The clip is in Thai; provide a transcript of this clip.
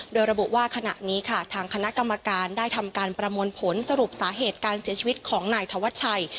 โดยระบุว่าขณะนี้ค่ะทางคณะกรรมการได้ทำการประมวลผลสรุปสาเหตุการเสียชีวิตของนายธวัชชัย